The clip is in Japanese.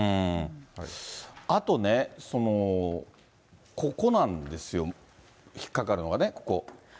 あとね、ここなんですよ、引っ掛かるのがね、ここ。